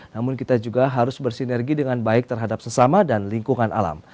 namun kita juga harus bersinergi dengan baik terhadap sesama dan lingkungan alam